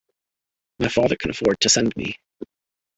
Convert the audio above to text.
My father can afford to send me.